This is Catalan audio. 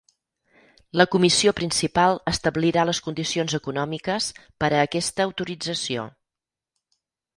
La Comissió principal establirà les condicions econòmiques per a aquesta autorització.